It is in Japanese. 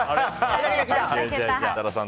設楽さん